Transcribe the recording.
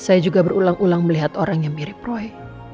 saya juga berulang ulang melihat orang yang mirip roy